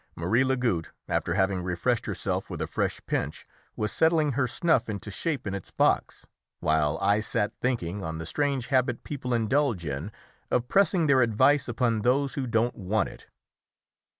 Marie Lagoutte, after having refreshed herself with a fresh pinch, was settling her snuff into shape in its box, while I sat thinking on the strange habit people indulge in of pressing their advice upon those who don't want it.